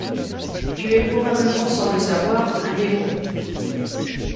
Tu es probablement, sans le savoir, un démon.